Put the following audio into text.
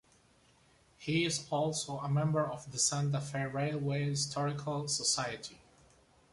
He is also a member of the Santa Fe Railway Historical Society.